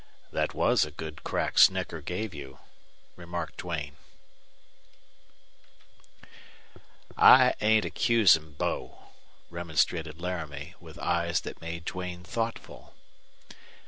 "That was a good crack Snecker gave you," remarked Duane. "I ain't accusin' Bo," remonstrated Laramie, with eyes that made Duane thoughtful.